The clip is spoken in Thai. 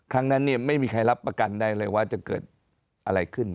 ครั้งนั้นไม่มีใครรับประกันได้เลยว่าจะเกิดอะไรขึ้น